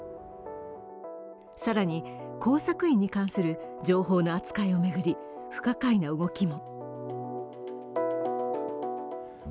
更に、工作員に関する情報の扱いを巡り不可解な動きも。